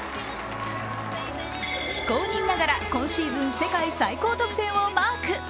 非公認ながら今シーズン世界最高得点をマーク。